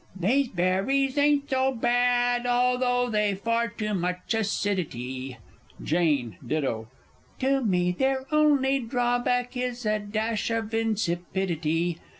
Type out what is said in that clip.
These berries ain't so bad although they've far too much acidity. Jane (ditto). To me, their only drawback is a dash of insipidity.